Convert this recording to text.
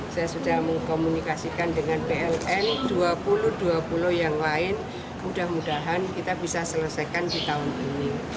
saya sudah mengkomunikasikan dengan pln dua puluh dua puluh yang lain mudah mudahan kita bisa selesaikan di tahun ini